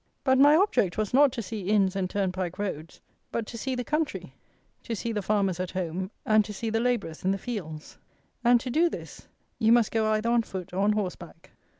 But my object was not to see inns and turnpike roads, but to see the country; to see the farmers at home, and to see the labourers in the fields; and to do this you must go either on foot or on horse back.